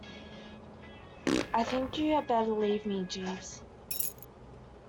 I think you had better leave me, Jeeves.